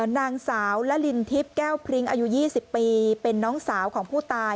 นางสาวละลินทิพย์แก้วพริ้งอายุ๒๐ปีเป็นน้องสาวของผู้ตาย